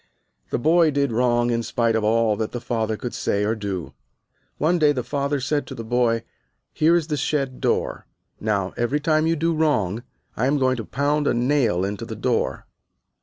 The boy did wrong in spite of all that the father could say or do. One day the father said to the boy, "Here is the shed door, now every time you do wrong I am going to pound a nail into the door."